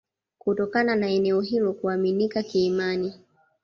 Kutokana na eneo hilo kuaminika kiimani